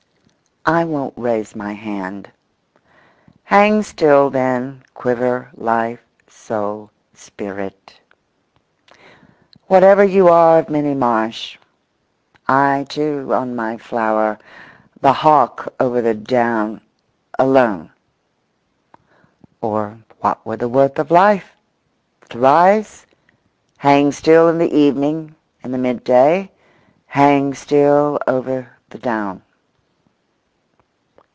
I won't raise my hand. Hang still, then, quiver, life, soul, spirit, whatever you are of Minnie Marsh—I, too, on my flower—the hawk over the down—alone, or what were the worth of life? To rise; hang still in the evening, in the midday; hang still over the down.